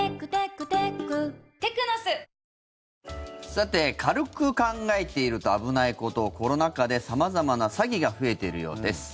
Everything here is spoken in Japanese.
さて軽く考えていると危ないことコロナ禍で様々な詐欺が増えているようです。